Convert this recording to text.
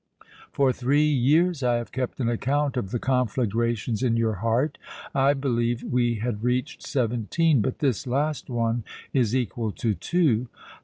For three years I have kept an account of the conflagrations in your heart. I believe we had reached seventeen; but this last one is equal to two."